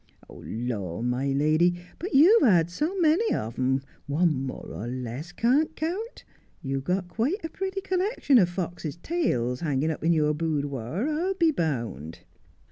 ' Lor, my lady, but you've had so many of 'em, one more or less can't count. You've got quite a pretty collection of foxes' tails hanging up in your boodwower, I'll be bound.'